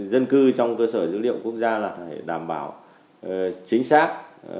dân cư trong cơ sở dữ liệu quốc gia là phải đảm bảo chính xác